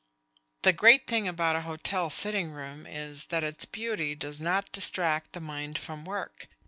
"The great thing about a hotel sitting room is that its beauty does not distract the mind from work.